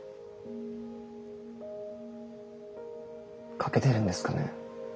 描けてるんですかね？